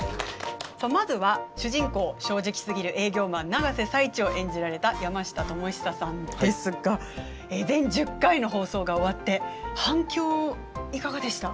まずは主人公正直すぎる営業マン永瀬財地を演じられた山下智久さんですが全１０回の放送が終わって反響いかがでした？